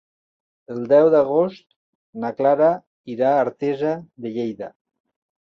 El deu d'agost na Clara irà a Artesa de Lleida.